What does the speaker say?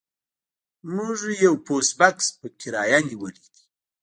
موږ یو پوسټ بکس په کرایه نیولی دی